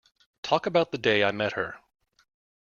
Talk about the day I met her.